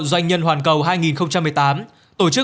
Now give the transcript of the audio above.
doanh nhân hoàn cầu hai nghìn một mươi tám